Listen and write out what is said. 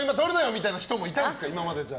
みたいな人もいたんですか？